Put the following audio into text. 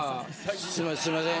すいません